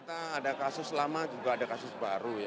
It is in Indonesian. ada kasus lama ada kasus baru